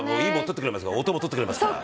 音も撮ってくれますから。